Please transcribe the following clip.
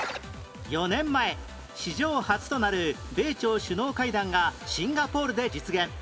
４年前史上初となる米朝首脳会談がシンガポールで実現